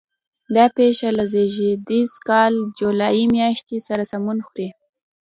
دا پېښه له زېږدیز کال جولای میاشتې سره سمون خوري.